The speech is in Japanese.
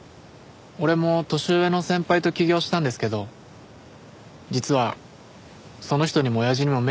俺も年上の先輩と起業したんですけど実はその人にも親父にも迷惑かけちゃって。